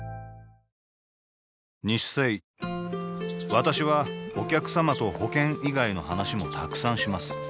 私はお客様と保険以外の話もたくさんします